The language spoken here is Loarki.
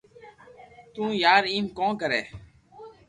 تو يار ايم ڪون ڪري